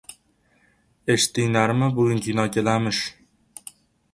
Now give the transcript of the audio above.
— Eshitdinglarmi, bugun kino kelarmish.